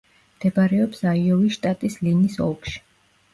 მდებარეობს აიოვის შტატის ლინის ოლქში.